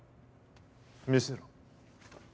見せろ。